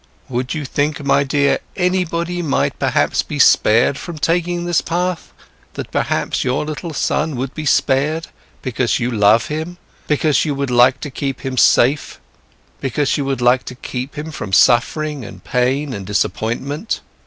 Would you think, my dear, anybody might perhaps be spared from taking this path? That perhaps your little son would be spared, because you love him, because you would like to keep him from suffering and pain and disappointment?